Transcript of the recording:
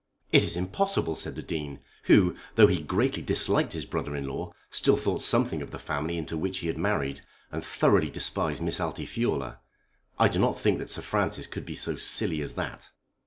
"It is impossible," said the Dean, who, though he greatly disliked his brother in law, still thought something of the family into which he had married, and thoroughly despised Miss Altifiorla. "I do not think that Sir Francis could be so silly as that."